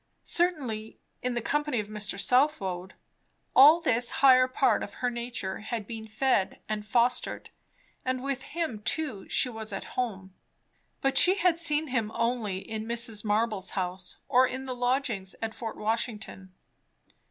Certainly in the company of Mr. Southwode all this higher part of her nature had been fed and fostered, and with him too she was at home; but she had seen him only in Mrs. Marble's house or in the lodgings at Fort Washington.